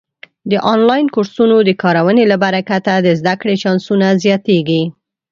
د آنلاین کورسونو د کارونې له برکته د زده کړې چانسونه زیاتېږي.